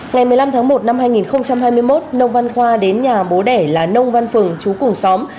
ngày một mươi năm tháng một năm hai nghìn hai mươi một nông văn khoa đến nhà bố đẻ là nông văn phường chú cùng xóm